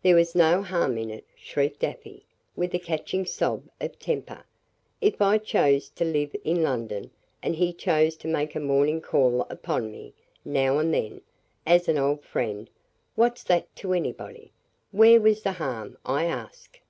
"There was no harm in it," shrieked Afy, with a catching sob of temper. "If I chose to live in London, and he chose to make a morning call upon me, now and then, as an old friend, what's that to anybody? Where was the harm, I ask?"